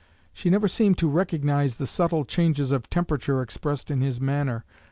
She never seemed to recognize the subtle changes of temperature expressed in his manner.